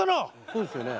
そうですよね。